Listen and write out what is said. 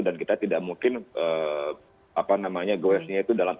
dan kita tidak mungkin go washnya itu dalam konfigurasi dua dua seperti yang saya sebutkan tadi sih